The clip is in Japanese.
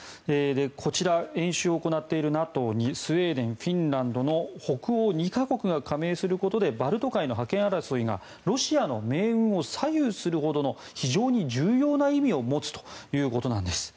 こちら、演習を行っているＮＡＴＯにスウェーデン、フィンランドに北欧２か国が加盟することでバルト海の覇権争いがロシアの命運を左右するほどの非常に重要な意味を持つということなんです。